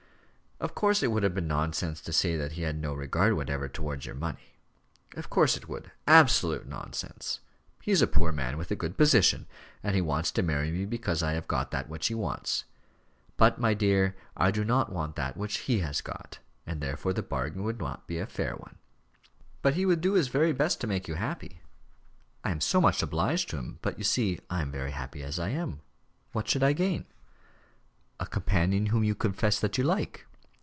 "Of course it would have been nonsense to say that he had no regard whatever towards your money." "Of course it would absolute nonsense. He is a poor man with a good position, and he wants to marry me because I have got that which he wants. But, my dear, I do not want that which he has got, and therefore the bargain would not be a fair one." "But he would do his very best to make you happy." "I am so much obliged to him; but you see, I am very happy as I am. What should I gain?" "A companion whom you confess that you like."